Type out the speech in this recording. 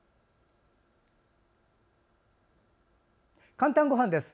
「かんたんごはん」です。